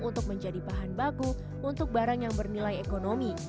untuk menjadi pahan bagu untuk barang yang bernilai ekonomi